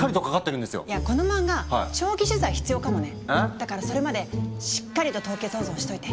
だからそれまでしっかりと凍結保存しといて！